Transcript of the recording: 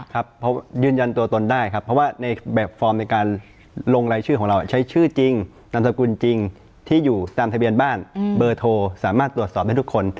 ครับเพราะยืนยันตัวตนได้ครับเพราะว่าในแบบฟอร์มในการลงรายชื่อของเราใช้ชื่อจริงนามสกุลจริงที่อยู่ตามทะเบียนบ้านเบอร์โทรสามารถตรวจสอบได้ทุกคน